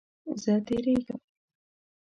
زه تیریږم